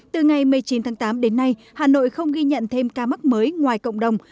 từ ngày một mươi chín tháng tám đến nay hà nội không ghi nhận thêm ca mắc mới ngoài cộng đồng